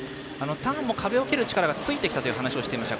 ターンも壁を蹴る力がついてきたという話をしていました。